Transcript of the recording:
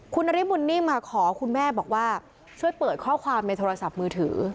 คุณนาริมุนนี่มาขอคุณแม่บอกว่าช่วยเปิดข้อความในโทรศัพท์มือถือ